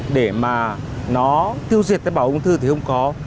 để mà nó tiêu diệt tế bào ung thư thì không có